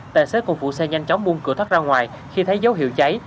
tài xế cùng phụ xe nhanh chóng buông cửa thoát ra ngoài khi thấy dấu hiệu cháy